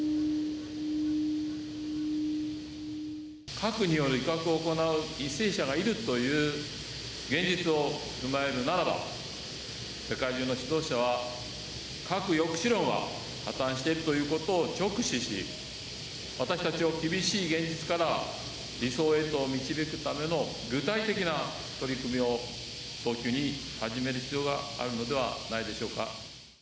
核による威嚇を行う為政者がいるという現実を踏まえるならば、世界中の指導者は、核抑止論は破綻しているということを直視し、私たちを厳しい現実から理想へと導くための具体的な取り組みを早急に始める必要があるのではないでしょうか。